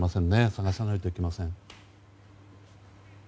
捜さないといけません。